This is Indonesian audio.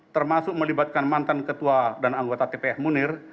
termasuk melibatkan mantan ketua dan anggota tpf munir